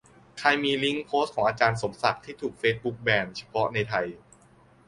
ใครมีลิงก์โพสต์ของอาจารย์สมศักดิ์ที่ถูกเฟซบุ๊กแบน เฉพาะในไทย